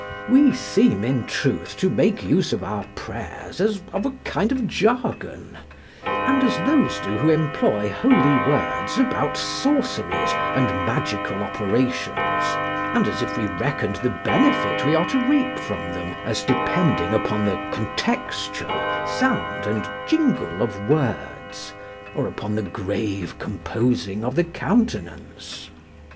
We seem, in truth, to make use of our prayers as of a kind of jargon, and as those do who employ holy words about sorceries and magical operations; and as if we reckoned the benefit we are to reap from them as depending upon the contexture, sound, and jingle of words, or upon the grave composing of the countenance.